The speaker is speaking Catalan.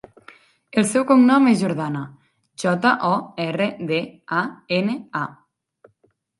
El seu cognom és Jordana: jota, o, erra, de, a, ena, a.